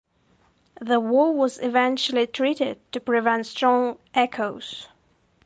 The wall was eventually treated to prevent strong echoes.